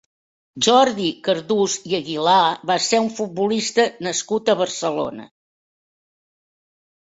Jordi Cardús i Aguilar va ser un futbolista nascut a Barcelona.